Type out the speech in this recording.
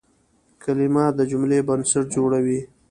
کلیمه د جملې بنسټ جوړوي.